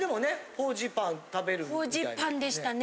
法事パンでしたね。